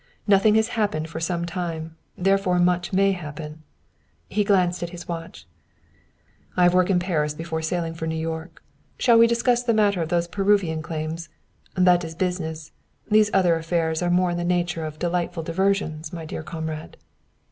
Nothing has happened for some time; therefore much may happen." He glanced at his watch. "I have work in Paris before sailing for New York. Shall we discuss the matter of those Peruvian claims? That is business. These other affairs are more in the nature of delightful diversions, my dear comrade."